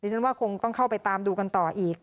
ฉันว่าคงต้องเข้าไปตามดูกันต่ออีก